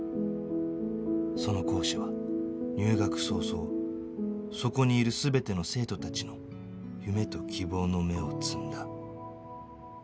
その講師は入学早々そこにいる全ての生徒たちの夢と希望の芽を摘んだ